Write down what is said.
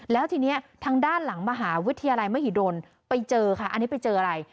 แล้วทีนี้ทางด้านหลังมหาวิทยาลัยมหิดลไปเจอค่ะอันนี้ไปเจออะไร